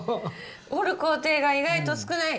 折る工程が意外と少ない。